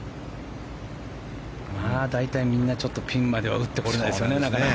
大体みんな、なかなかピンまでは打ってこれないですね。